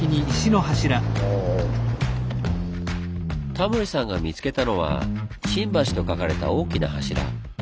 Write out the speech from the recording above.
タモリさんが見つけたのは「新橋」と書かれた大きな柱。